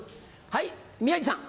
はい宮治さん。